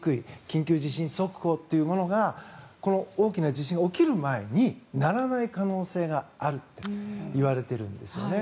緊急地震速報というものがこの大きな地震が起きる前に鳴らない可能性があるっていわれているんですよね。